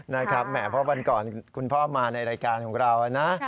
นะครับแหม่พ่อวันก่อนคุณพ่อมาในรายการของเรานะ